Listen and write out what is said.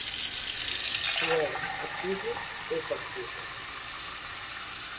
Tu és ativo ou passivo?